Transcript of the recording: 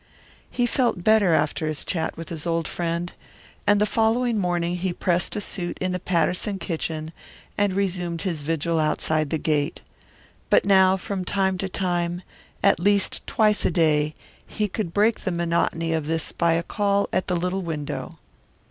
He felt better after this chat with his old friend, and the following morning he pressed a suit in the Patterson kitchen and resumed his vigil outside the gate. But now from time to time, at least twice a day, he could break the monotony of this by a call at the little window.